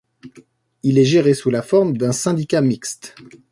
Il est géré sous la forme d'un syndicat mixte.